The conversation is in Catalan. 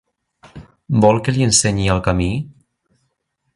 Vol que li ensenyi el camí?